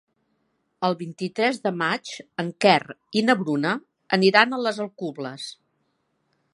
El vint-i-tres de maig en Quer i na Bruna aniran a les Alcubles.